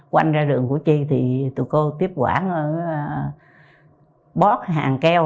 quanh ra rường của chị thì tụi cô tiếp quản ở bót hàng keo